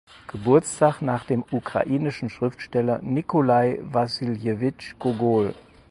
Geburtstag nach dem ukrainischen Schriftsteller Nikolai Wassiljewitsch Gogol.